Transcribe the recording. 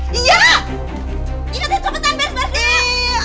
ingatnya coba tahan beres beresnya